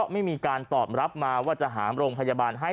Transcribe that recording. ไม่มีการตอบรับมาว่าจะหาโรงพยาบาลให้